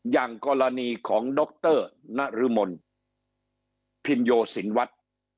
อย่างกรณีของดรนารึมลท์พิญโยสิกวัส